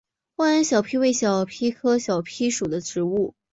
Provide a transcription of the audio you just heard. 万源小檗为小檗科小檗属的植物。